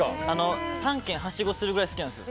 ３軒はしごするぐらい好きなんです。